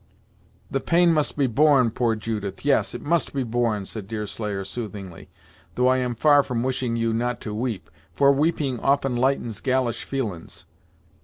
"The pain must be borne, poor Judith yes, it must be borne," said Deerslayer, soothingly, "though I am far from wishing you not to weep; for weeping often lightens galish feelin's.